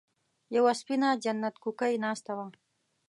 يوه سپينه جنت کوکۍ ناسته وه.